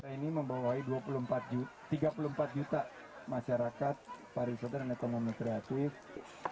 ini membawahi tiga puluh empat juta masyarakat pariwisata dan ekonomi kreatif